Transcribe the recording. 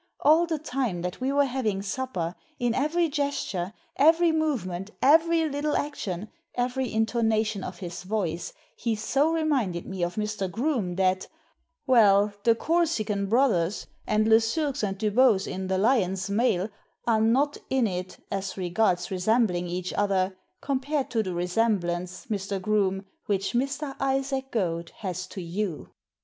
All the time that we were having supper, in every gesture, every movement, every little action, every intonation of his voice, he so reminded me of Mr. Groome that — well, the Corsican Brothers, and Lesurques and Dubose in The Lyons Mail are not in it, as regards resembling each other, compared to the resemblance, Mr. Groome, which Mr. Isaac Goad has to you."